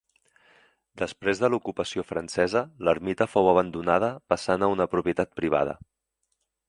Després de l'ocupació francesa l'ermita fou abandonada passant a una propietat privada.